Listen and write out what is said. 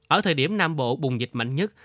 ở thời điểm nam bộ bùng dịch mạnh nhất